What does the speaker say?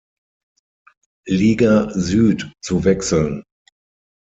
Liga Süd zu wechseln.